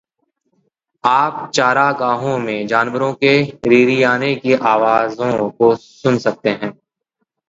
आप चारागाहों में जानवरों के रिरियाने की आवाज़ों को सुन सकते हैं।